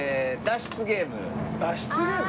脱出ゲーム？ああ。